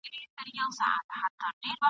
خو زموږ پر کلي د غمونو بارانونه اوري ..